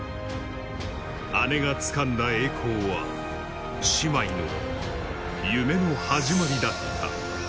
姉がつかんだ栄光は、姉妹の夢の始まりだった。